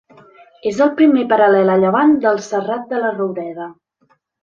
És el primer paral·lel a llevant del Serrat de la Roureda.